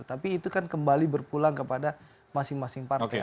tapi itu kan kembali berpulang kepada masing masing partai